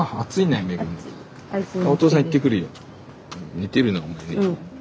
寝てるねお前ね。